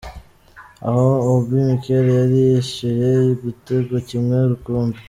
aha Obi mikel yari yishyuye ugitego kimwe rukumbi